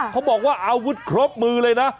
เขาบอกว่าอาวุธครบมือเลยนะ